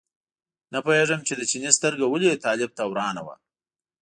نه پوهېږم چې د چیني سترګه ولې طالب ته ورانه وه.